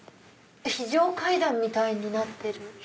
非常階段みたいになってる。